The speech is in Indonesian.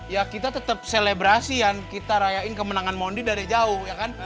ya kita tetep selebrasian kita rayain kemenangan mondi dari jauh ya kan